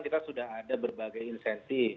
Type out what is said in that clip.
kita sudah ada berbagai insentif